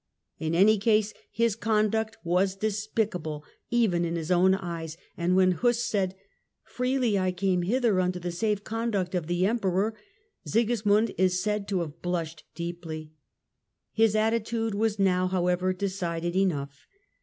In any case his conduct was despicable even in his own eyes, and when Huss said :" Freely I came hither under the safe conduct of the Emperor," Sigismund is said to have blushed deeply. His attitude was now, however, decided enough.